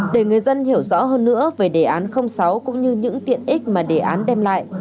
để người dân hiểu rõ hơn nữa về đề án sáu cũng như những tiện ích mà đề án đem lại